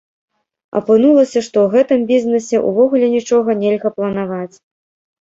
Апынулася, што ў гэтым бізнесе ўвогуле нічога нельга планаваць.